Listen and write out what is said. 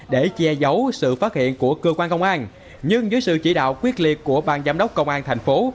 để che giấu sự phát hiện của cơ quan công an nhưng dưới sự chỉ đạo quyết liệt của bang giám đốc công an thành phố